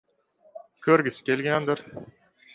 Ko‘rgisi kelgandir.